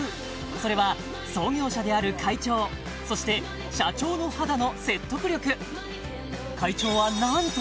それは創業者である会長そして社長の肌の説得力会長は何と！